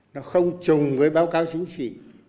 nó không chùng với báo cáo chính trị